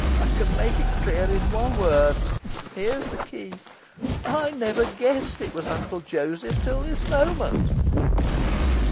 I can make it clear in one word. Here's the key: I NEVER GUESSED IT WAS UNCLE JOSEPH TILL THIS MOMENT.